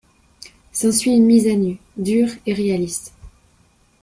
S'ensuit une mise à nu, dure et réaliste.